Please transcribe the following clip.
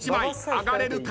上がれるか？